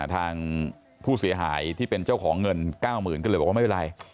ทางผู้เสียหายที่เป็นเจ้าของเงิน๙๐๐๐ก็เลยบอกว่าไม่เป็นไร